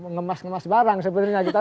ngemas ngemas barang sebenarnya gitu